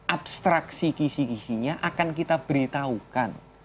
abstraksi kisi kisinya akan kita beritahukan